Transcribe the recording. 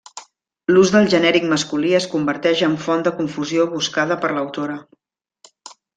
L'ús del genèric masculí es converteix en font de confusió buscada per l'autora.